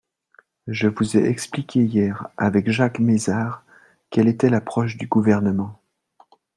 Je vous ai expliqué hier, avec Jacques Mézard, quelle était l’approche du Gouvernement.